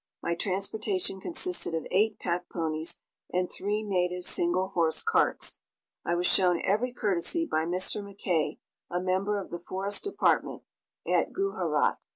My transportation consisted of eight pack ponies and three native single horse carts. I was shown every courtesy by Mr. McKay, a member of the Forest Department, at Gujarat.